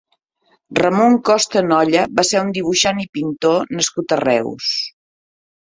Ramon Costa Nolla va ser un dibuixant i pintor nascut a Reus.